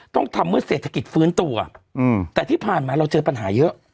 ต้องทำเมื่อเศรษฐกิจฟื้นตัวแต่ที่ผ่านมาเราเจอปัญหาเยอะ